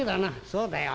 「そうだよ」。